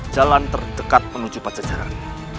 jalan terdekat menuju pancasarang